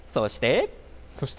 そして、